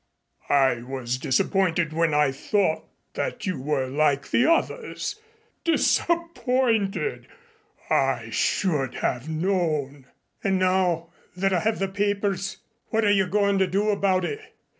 I was disappointed when I thought that you were like the others. Disappointed! I should have known " "And now that I have the papers what are you going to do about it?"